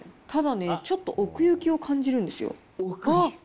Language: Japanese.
ただね、ちょっと奥行きを感じるんですよ。